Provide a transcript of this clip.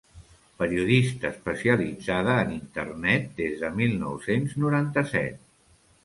Periodista especialitzada en Internet des de mil nou-cents noranta-set.